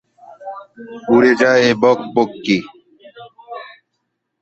কেউ কেউ তাকে "ইউরোপের জনক" বলেও সম্বোধন করে।